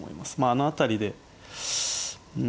あの辺りでうん